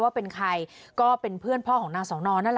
ว่าเป็นใครก็เป็นเพื่อนพ่อของนางสอนอนนั่นแหละ